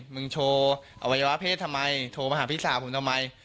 มึงโชว์อวัยวะเพศทำไมโทรมาหาพี่สาวผมทำไม